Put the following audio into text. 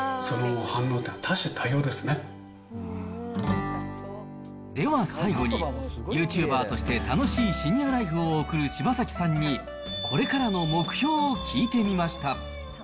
その反応といでは最後に、ユーチューバーとして楽しいシニアライフを送る柴崎さんに、これからの目標を聞いてみました。